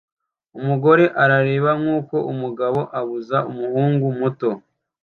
Umugore arareba nkuko umugabo abuza umuhungu muto